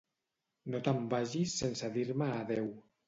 No te'n vagis sense dir-me adéu